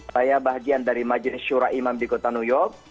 saya bagian dari majelis syurah imam di kota new york